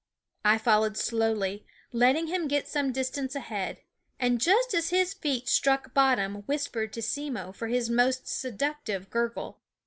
I followed slowly, letting him get some dis tance ahead, and just as his feet struck bot tom whispered to Simmo for his most seduc tive gurgle.